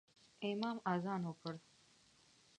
امام اذان وکړ